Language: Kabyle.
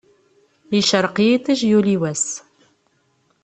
Yecṛeq yiṭṭij yuli wass.